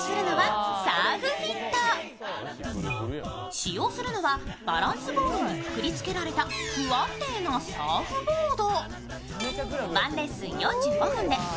使用するのはバランスボールにくくりつけられた不安定なサーフボード。